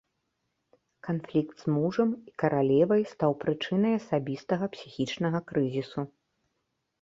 Канфлікт з мужам і каралевай стаў прычынай асабістага псіхічнага крызісу.